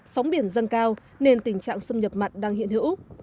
sóng biển dâng cao nên tình trạng xâm nhập mặn đang hiện hữu